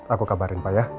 aku kabarin pak ya